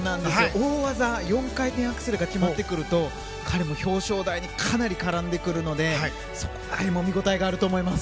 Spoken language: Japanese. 大技の４回転アクセルが決まってくると彼も表彰台にかなり絡んでくるのでそこら辺も見ごたえがあると思います。